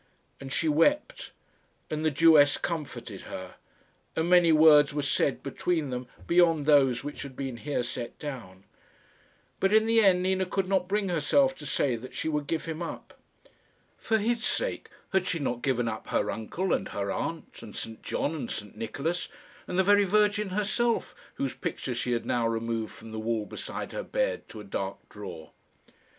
And she wept, and the Jewess comforted her, and many words were said between them beyond those which have been here set down; but, in the end, Nina could not bring herself to say that she would give him up. For his sake had she not given up her uncle and her aunt, and St John and St Nicholas and the very Virgin herself, whose picture she had now removed from the wall beside her bed to a dark drawer?